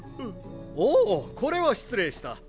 おおこれは失礼した。